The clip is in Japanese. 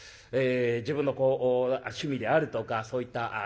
自分の趣味であるとかそういったね